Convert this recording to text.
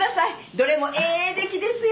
どれもええ出来ですよ。